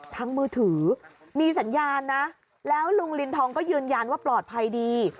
มือถือมีสัญญาณนะแล้วลุงลินทองก็ยืนยันว่าปลอดภัยดี